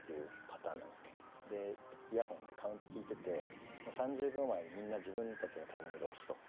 イヤホンでカウント聞いてて３０秒前にみんな自分たちのタイミングで押すと。